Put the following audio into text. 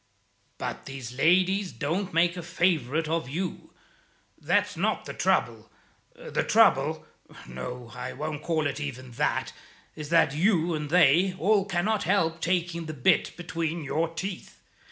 But these ladies don't make a favourite of you; that's not the trouble. The trouble no, I won't call it even that is that you and they all cannot help taking the bit between your teeth.